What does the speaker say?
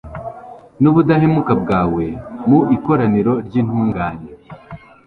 n’ubudahemuka bwawe mu ikoraniro ry’intungane